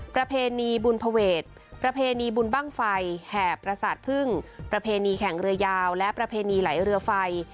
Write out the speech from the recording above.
ประเพณีบุญภเวทประเพณีบุญบ้างไฟแห่ประสาทพึ่งประเพณีแข่งเรือยาวและประเพณีไหลเรือไฟ